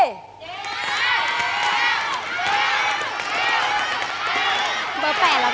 เย้